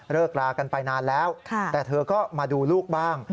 รากันไปนานแล้วแต่เธอก็มาดูลูกบ้าง